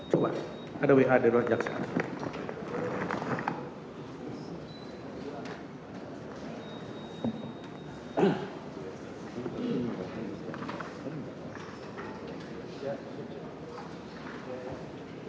coba ada wa dari luar jaksa